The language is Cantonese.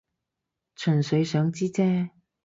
純粹想知啫